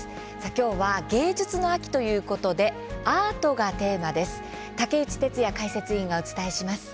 今日は、芸術の秋ということでアートがテーマです。